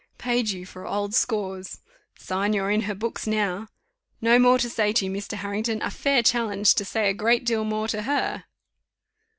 Paid you for old scores! Sign you're in her books now! 'No more to say to you, Mr. Harrington' a fair challenge to say a great deal more to her."